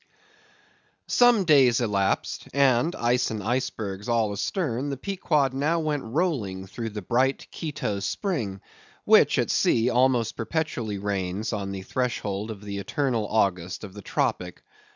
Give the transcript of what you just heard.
Some days elapsed, and ice and icebergs all astern, the Pequod now went rolling through the bright Quito spring, which, at sea, almost perpetually reigns on the threshold of the eternal August of the Tropic.